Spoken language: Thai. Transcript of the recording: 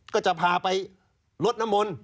ก็จะพาไปลดน้ำมนต์